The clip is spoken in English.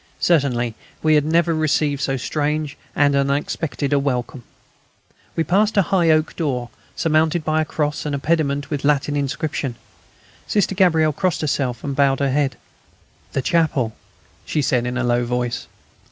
Certainly we had never yet received so strange and unexpected a welcome. We passed a high oak door, surmounted by a cross and a pediment with a Latin inscription. Sister Gabrielle crossed herself and bowed her head. "The chapel," she said in a low voice.